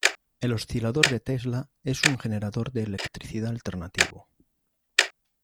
El oscilador de Tesla es un generador de electricidad alternativo.